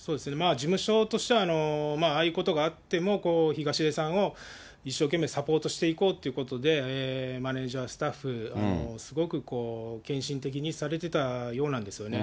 事務所としては、ああいうことがあっても、東出さんを、一生懸命サポートしていこうということで、マネージャー、スタッフ、すごく献身的にされてたようなんですね。